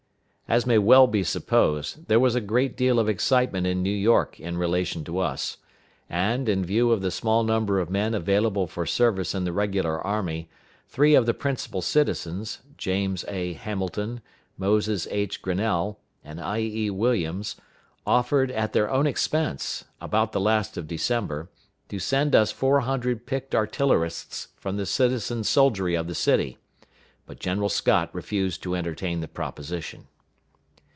As may well be supposed, there was a great deal of excitement in New York in relation to us; and, in view of the small number of men available for service in the regular army, three of the principal citizens, James A. Hamilton, Moses H. Grinnell, and I.E. Williams, offered, at their own expense, about the last of December, to send us four hundred picked artillerists from the citizen soldiery of the city; but General Scott refused to entertain the proposition.